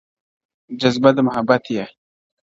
جــــذبــــــه د مــحــبــــت يـــــــــــې.